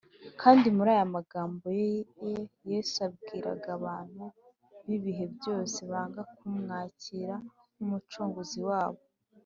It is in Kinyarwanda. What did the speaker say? kandi muri aya magambo ye, yesu yabwiraga abantu b’ibihe byose banga kumwakira nk’umucunguzi wabo